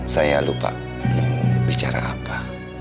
saya lupa mau bicara apa